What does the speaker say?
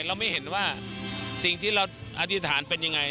เราไม่เห็นว่าสิ่งที่เราอธิษฐานเป็นยังไง